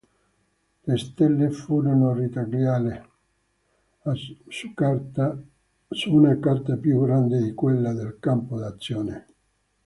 Le stelle furono ritagliate su una carta più grande di quella del campo d'azione.